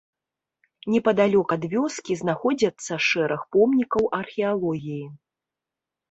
Непадалёк ад вёскі знаходзяцца шэраг помнікаў археалогіі.